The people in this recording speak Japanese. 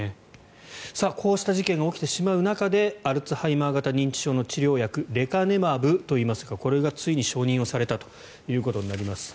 こうした事件が起きてしまう中でアルツハイマー型認知症の治療薬レカネマブといいますがこれがついに承認されたということになります。